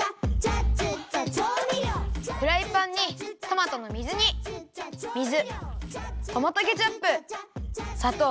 フライパンにトマトの水煮水トマトケチャップさとう